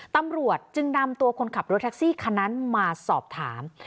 ตำรวจจึงนำตัวคนขับรถแท็กซี่คันนั้นมาสอบถาม